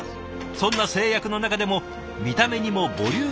そんな制約の中でも見た目にもボリュームにもこだわりたい。